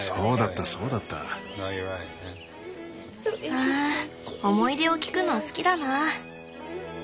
あ思い出を聞くの好きだな。